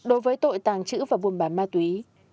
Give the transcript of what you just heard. đối với tội tàng trữ và buôn bán ma túy